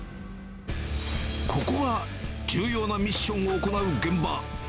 ここが重要なミッションを行う現場。